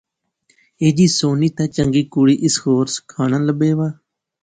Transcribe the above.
ایہہ جئی سوہنی تے چنگی کڑی اس ہور کھاناں لبے وا